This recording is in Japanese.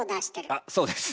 あそうです。